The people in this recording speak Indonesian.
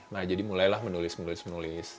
nah jadi mulailah menulis menulis menulis